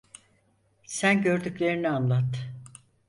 Sen gördüklerini anlat…